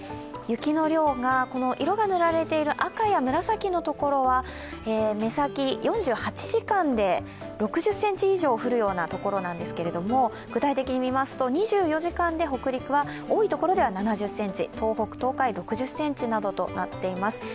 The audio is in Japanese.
雪の量が、色が塗られている赤や紫のところは目先、４８時間で６０ｃｍ以上降るような所なんですけれども具体的にみますと２４時間で北陸では多いところで７０ｃｍ東北、東海、６０ｃｍなどとなっています。